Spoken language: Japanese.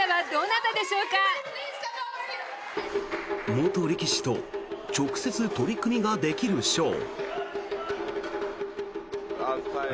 元力士と直接取組ができるショー。